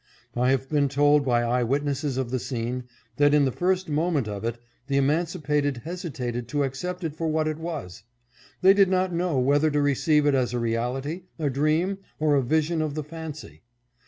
I have been told by eye witnesses of the scene, that, in the first moment of it, the emancipated hesitated to accept it for what it was. They did not know whether to receive it as a reality, a dream, or a vision of the fancy.